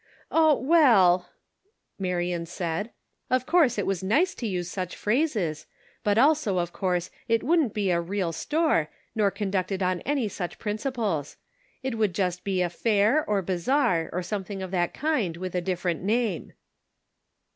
" Oh, well," Marion said, " of course it was nice to use such phrases, but also of course it wouldn't be a real store, nor conducted on any such principles. It would just be a fair, or bazar, or something of that kind, with a different name."